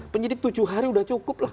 penyidik tujuh hari sudah cukup lah